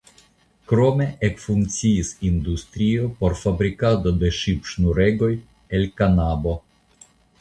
Krome ekfunkciis industrio por fabrikado de ŝipŝnuregoj el kanabo.